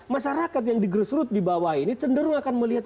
masyarakat yang di grassroot di bawah ini cenderung akan melihat